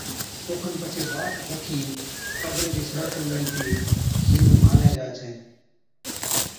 اوکن پڇي واھچ دکِي قبري چي سِرانٿيُون ميھلتِي وِنُون ڀانلَي جا ڇَي